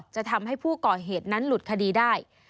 จะทำให้ผู้ก่อเหตุนั้นหลุดคดีได้